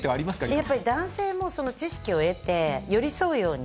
やっぱり男性も知識を得て寄り添うように。